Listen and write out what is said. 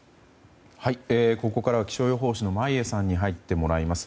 ここからは気象予報士の眞家さんに入ってもらいます。